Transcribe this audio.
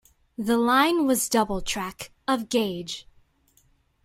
The line was double track, of gauge.